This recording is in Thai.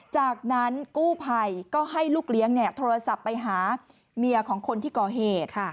จากนั้นกู้ภัยก็ให้ลูกเลี้ยงโทรศัพท์ไปหาเมียของคนที่ก่อเหตุ